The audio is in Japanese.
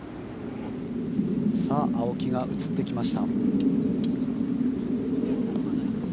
青木が映ってきました。